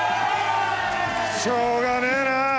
しょうがねえな。